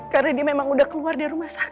karena dia memang udah keluar dari rumah sakit